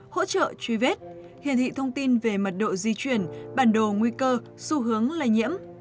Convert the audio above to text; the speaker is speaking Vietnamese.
hỗ trợ truy vết hiển thị thông tin về mật độ di chuyển bản đồ nguy cơ xu hướng lây nhiễm